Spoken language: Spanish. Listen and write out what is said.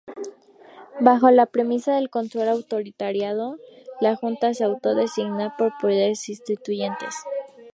Bajo la premisa del control autoritario, la Junta se auto-designó poderes constituyentes.